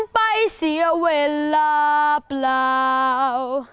ไปเสียเวลาเปล่า